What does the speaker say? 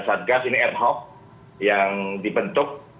satgas ini ad hoc yang dibentuk